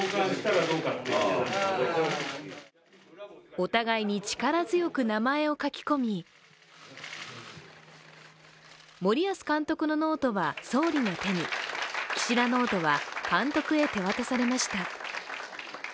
お互いに力強く名前を書き込み森保監督のノートは総理の手に、岸田ノートは監督へ手渡されました。